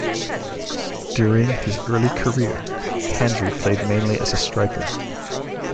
During his early career, Hendry played mainly as a striker.